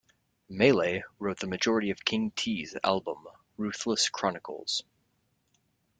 Maylay wrote the majority of King T's album "Ruthless Chronicles".